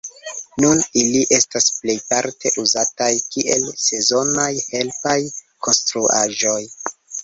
Nun ili estas plejparte uzataj kiel sezonaj helpaj konstruaĵoj.